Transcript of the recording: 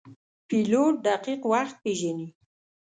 پیلوټ دقیق وخت پیژني.